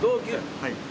はい。